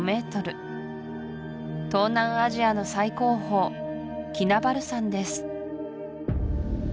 東南アジアの最高峰キナバル山です